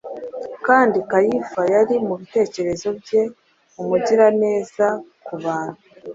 Kandi Kayifa yari mu bitekerezo bye Umugiraneza ku bantu.